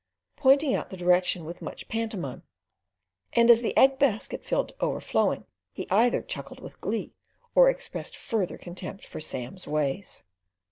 pointing out the direction with much pantomime; and as the egg basket filled to overflowing, he either chuckled with glee or expressed further contempt for Sam's ways.